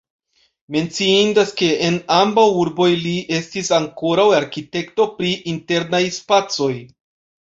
Menciindas, ke en ambaŭ urboj li estis ankaŭ arkitekto pri internaj spacoj.